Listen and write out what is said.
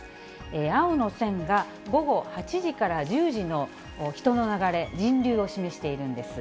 青の線が午後８時から１０時の人の流れ、人流を示しているんです。